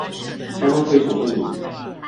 相當推崇印尼